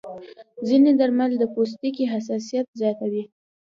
ځینې درمل د پوستکي حساسیت زیاتوي.